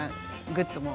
グッズも？